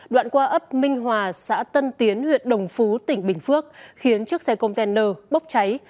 đoạn qua ấp minh hòa xã tân tiến huyện đồng phú tỉnh bình phước khiến chiếc xe container bốc cháy